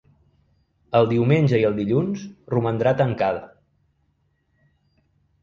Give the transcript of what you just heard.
El diumenge i el dilluns romandrà tancada.